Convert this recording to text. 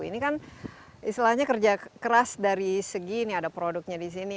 ini kan istilahnya kerja keras dari segi ini ada produknya di sini